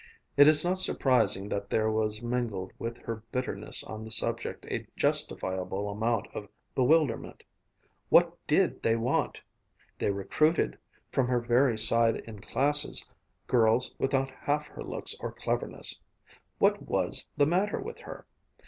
It is not surprising that there was mingled with her bitterness on the subject a justifiable amount of bewilderment. What did they want? They recruited, from her very side in classes, girls without half her looks or cleverness. What was the matter with her?